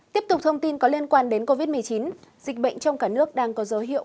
tiếp tục thông tin có liên quan đến covid một mươi chín dịch bệnh trong cả nước đang có dấu hiệu